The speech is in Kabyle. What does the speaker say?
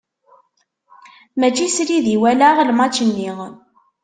Mačči srid i walaɣ lmač-nni.